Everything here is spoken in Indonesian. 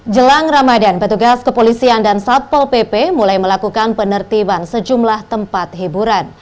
jelang ramadan petugas kepolisian dan satpol pp mulai melakukan penertiban sejumlah tempat hiburan